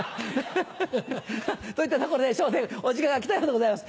といったところで『笑点』お時間が来たようでございます。